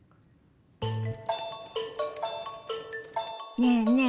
ねえねえ